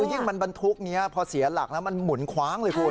ยิ่งมันบรรทุกนี้พอเสียหลักแล้วมันหมุนคว้างเลยคุณ